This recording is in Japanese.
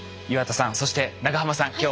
岩田さんそして長濱さん